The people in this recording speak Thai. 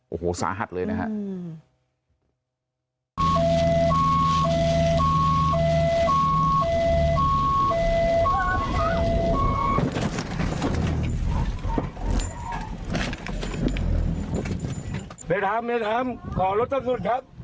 โอ้โหสาหัสเลยนะครับ